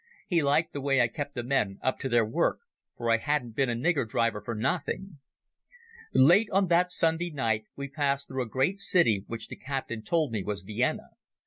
He liked the way I kept the men up to their work, for I hadn't been a nigger driver for nothing. Late on that Sunday night we passed through a great city which the captain told me was Vienna.